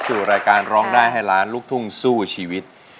สู่รายการร้องได้ให้ล้านลูกทุ่งสู้ชีวิต